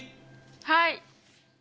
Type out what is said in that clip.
はい！